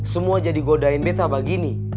semua jadi godain bete apa gini